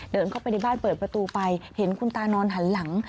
เดินเข้าไปในบ้านเปิดประตูไปเห็นคุณตานอนหันหลัง